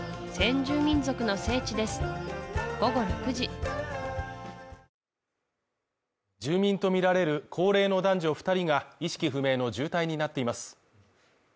住民とみられる高齢の男女二人が意識不明の重体になっています